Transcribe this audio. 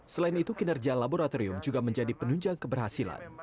selain itu kinerja laboratorium juga menjadi penunjang keberhasilan